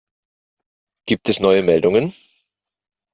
Gibt es neue Meldungen?